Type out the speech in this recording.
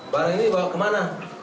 barang ini dibawa kemana